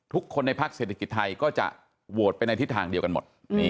ทุกคนในภาคเศรษฐกิจไทยก็จะโหวตไปในทิศทางเดียวกันหมด